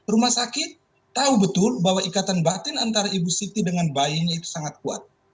rumah sakit tahu betul bahwa ikatan batin antara ibu siti dengan bayinya itu sangat kuat